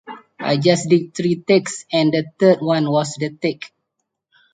I just did three takes and the third one was the take.